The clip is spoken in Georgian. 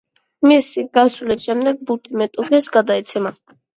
მისი გასვლის შემდეგ ბურთი მეტოქეს გადაეცემა.